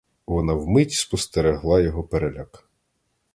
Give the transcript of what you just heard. Вона вмить спостерегла його переляк.